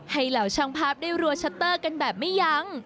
เหล่าช่างภาพได้รัวชัตเตอร์กันแบบไม่ยั้ง